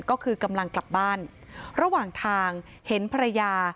ก็คือกำลังกลับบ้านระหว่างทางเห็นภรรยา